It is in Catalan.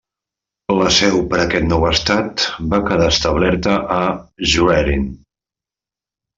La seu per a aquest nou estat va quedar establerta a Schwerin.